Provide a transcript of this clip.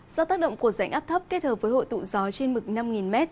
do tác động của rãnh áp thấp kết hợp với hội tụ gió trên mực năm m